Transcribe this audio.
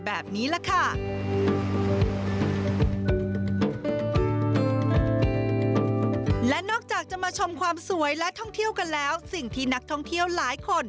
ไปนี่ไม่ใกล้ไม่ไกลกรุงเทพฯเกาะสีชังชมบุรี